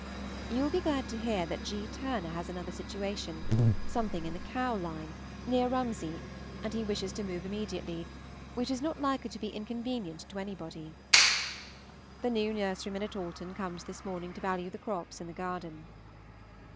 You will be glad to hear that G. Turner has another situation, something in the cow line, near Rumsey, and he wishes to move immediately, which is not likely to be inconvenient to anybody. The new nurseryman at Alton comes this morning to value the crops in the garden.